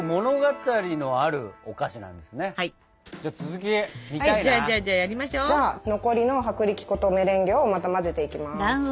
じゃあ残りの薄力粉とメレンゲをまた混ぜていきます。